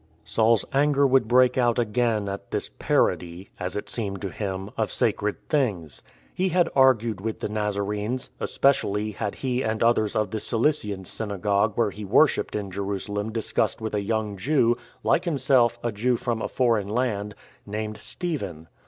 Saul's anger would break out again at this parody — as it seemed to him — of sacred things. He had argued with the Nazarenes; especially had he and others of the Cilician synagogue where he worshipped in Jerusalem discussed with a young Jew — like him self, a Jew from a foreign land — named Stephen.